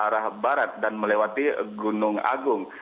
arah barat dan melewati gunung agung